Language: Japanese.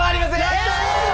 やったー！